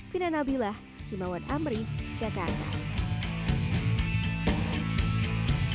fina nabilah himawan amri jakarta